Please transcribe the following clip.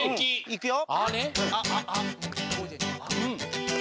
いくよ。